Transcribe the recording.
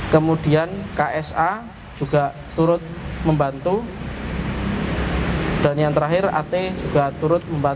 kedua ksa dan pid